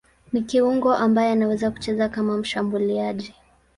Ni kiungo ambaye anaweza kucheza kama mshambuliaji.